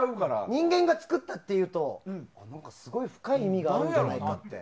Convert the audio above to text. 人間が作ったっていうと何かすごい深い意味があるんじゃないかって。